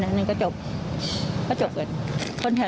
ใช่ค่ะถ่ายรูปส่งให้พี่ดูไหม